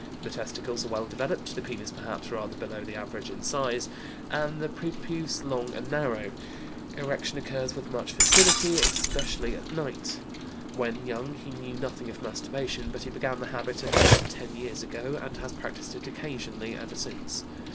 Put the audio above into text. The testicles are well developed, the penis perhaps rather below the average in size, and the prepuce long and narrow. Erection occurs with much facility, especially at night. When young he knew nothing of masturbation, but he began the habit about ten years ago, and has practised it occasionally ever since.